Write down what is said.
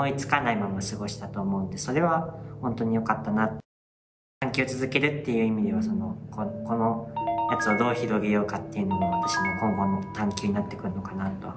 とりあえず探究を続けるっていう意味ではこのやつをどう広げようかっていうのが私の今後の探究になってくるのかなと思います。